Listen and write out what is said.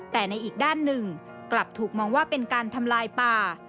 แต่ในอีกด้านหนึ่งกลับถูกมองว่าเป็นการทำลายป่า